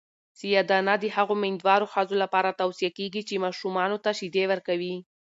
سیاه دانه د هغو میندوارو ښځو لپاره توصیه کیږي چې ماشومانو ته شیدې ورکوي.